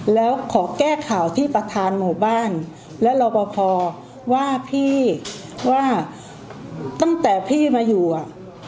แล้วขอแก้ข่าวที่ประธานหมู่บ้านและรอปภว่าพี่ว่าตั้งแต่พี่มาอยู่อ่ะ